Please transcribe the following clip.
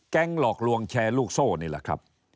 หลอกลวงแชร์ลูกโซ่นี่แหละครับ